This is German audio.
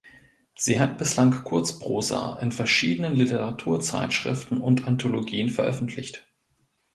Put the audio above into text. Sie hat bislang Kurzprosa in verschiedenen Literaturzeitschriften und Anthologien veröffentlicht.